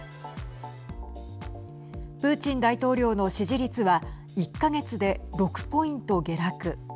プーチン大統領の支持率は１か月で６ポイント下落。